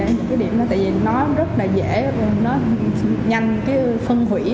những cái điểm đó tại vì nó rất là dễ nó nhanh phân hủy